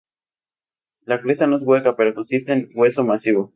La cresta no es hueca pero consiste en hueso masivo.